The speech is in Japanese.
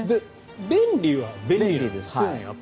便利は便利ですよね。